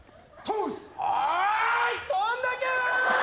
どんだけー。